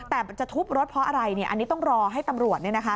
แต่จะทุบรถเพราะอะไรอันนี้ต้องรอให้ตำรวจ